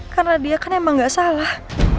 karena dia kan emang nggak salah